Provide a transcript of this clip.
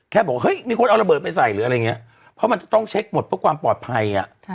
แค่บอกเฮ้ยมีคนเอาระเบิดไปใช้เพราะมันจะต้องเช็คหมดเพราะความปลอดภัย